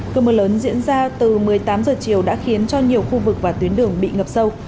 cơ mưa lớn diễn ra từ một mươi tám h chiều đã khiến cho nhiều khu vực và tuyến đường bị ngập sâu